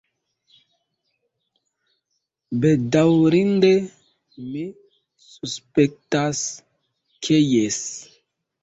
Bedaŭrinde, mi suspektas ke jes.